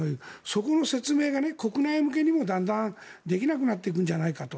そこの説明が国内向けにもだんだんできなくなっていくんじゃないかと。